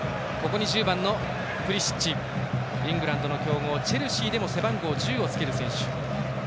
プリシッチはイングランドの強豪チェルシーでも背番号１０をつける選手。